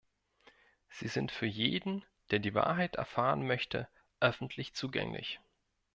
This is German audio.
Sie sind für jeden, der die Wahrheit erfahren möchte, öffentlich zugänglich.